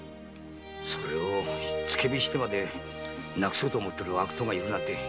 それをつけ火してまで無くそうと思ってる悪党がいるなんて。